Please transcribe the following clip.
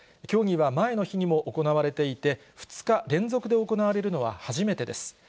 協議は前の日にも行われていて、２日連続で行われるのは初めてです。